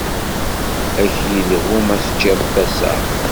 Ad k-yelhu ma teččiḍ tasa?